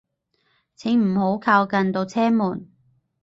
請唔好靠近度車門